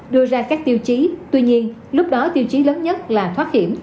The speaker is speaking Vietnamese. đưa ra các tiêu chí tuy nhiên lúc đó tiêu chí lớn nhất là thoát hiểm